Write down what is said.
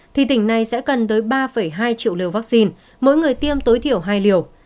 thì tỉnh này sẽ cần tới ba hai triệu liều vaccine mỗi người tiêm tối thiểu hai liều